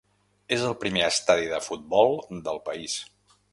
És el primer estadi de futbol del país.